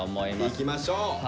いきましょう！